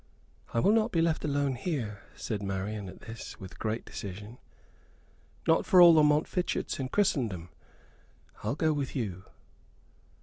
"I will not be left alone here," said Marian at this, with great decision. "Not for all the Montfichets in Christendom. I'll go with you."